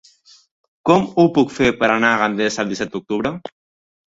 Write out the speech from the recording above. Com ho puc fer per anar a Gandesa el disset d'octubre?